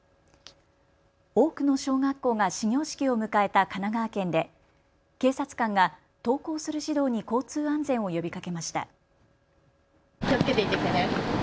多くの小学校が始業式を迎えた神奈川県で警察官が登校する児童に交通安全を呼びかけました。